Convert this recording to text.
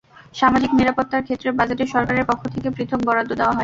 সামাজিক নিরাপত্তার ক্ষেত্রে বাজেটে সরকারের পক্ষ থেকে পৃথক বরাদ্দ দেওয়া হয়।